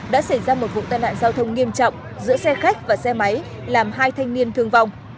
đã xảy ra một vụ tai nạn giao thông nghiêm trọng giữa xe khách và xe máy làm hai thanh niên thương vong